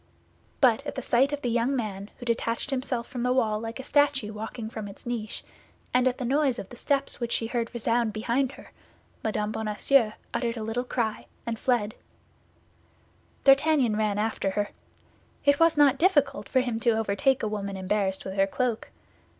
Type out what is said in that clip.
But at the sight of the young man, who detached himself from the wall like a statue walking from its niche, and at the noise of the steps which she heard resound behind her, Mme. Bonacieux uttered a little cry and fled. D'Artagnan ran after her. It was not difficult for him to overtake a woman embarrassed with her cloak.